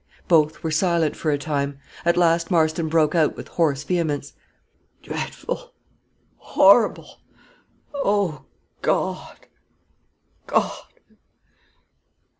Both were silent for a time. At last Marston broke out with hoarse vehemence. "Dreadful horrible oh, God! God!